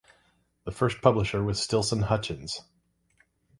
The first publisher was Stilson Hutchins.